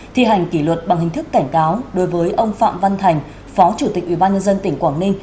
thi hành kỷ luật bằng hình thức cảnh cáo đối với ông phạm văn thành phó chủ tịch ủy ban nhân dân tỉnh quảng ninh